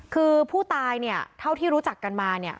คือผู้ตายเนี่ยเท่าที่รู้จักกันมาเนี่ย